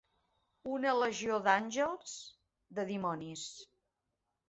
Una legió d'àngels, de dimonis.